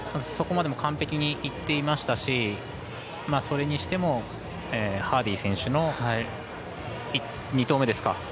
そこまでも完璧にいっていましたしそれにしてもハーディー選手の２投目ですか。